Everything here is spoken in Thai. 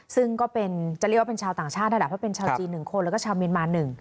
ซึ่งก็เป็นจะเรียกว่าเป็นชาวต่างชาติระดับว่าเป็นชาวจีน๑คนแล้วก็ชาวมีนมาน๑